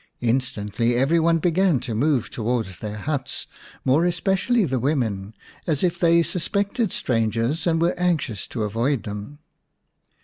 Instantly every one began to move towards their huts, more especially the women, as if they suspected strangers and were anxious to avoid them.